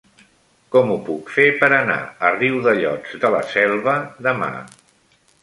Com ho puc fer per anar a Riudellots de la Selva demà?